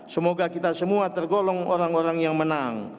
semoga kita semua tergolong orang orang yang menang